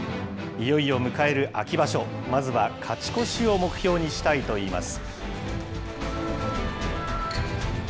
いよいよ迎える秋場所、まずは勝ち越しを目標にしたいといいます。